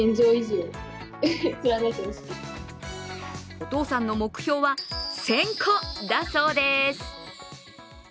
お父さんの目標は１０００個だそうです。